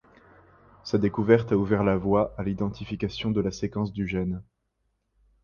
Sa découverte a ouvert la voie à l'identification de la séquence du gène.